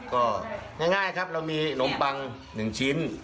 ก็ง่ายครับเรามีนมปัง๑ชิ้น